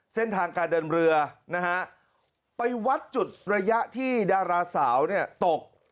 เส้นทางการเดินเรือนะฮะไปวัดจุดระยะที่ดาราสาวเนี่ยตก